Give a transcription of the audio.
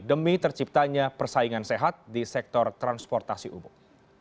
demi terciptanya persaingan sehat di sektor transportasi umum